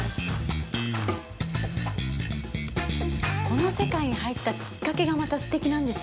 この世界に入ったきっかけがまたすてきなんですよね。